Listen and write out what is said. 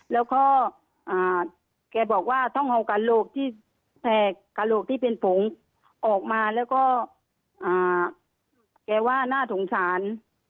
แล้วก็แกบอกว่าต้องเอากระโหลกที่แตกกระโหลกที่เป็นผงออกมาแล้วก็แกว่าน่าสงสาร